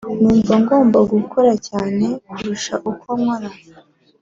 numva ngomba kuzakora cyane kurushaho uko nkora,